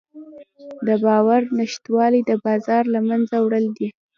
د باور نشتوالی د بازار له منځه وړل دي.